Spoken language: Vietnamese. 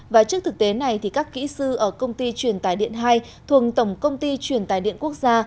và trước thực tế này các kỹ sư ở công ty truyền tài điện hai thuồng tổng công ty truyền tài điện quốc gia